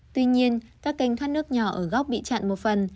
tuy nhiên các kênh thoát nước nhỏ ở góc bị chặn một phần